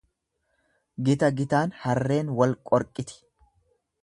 Gita gitaan harreen wal qorqiti.